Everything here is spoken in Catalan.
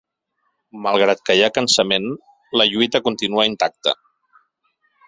Malgrat que hi ha cansament, la lluita continua intacta.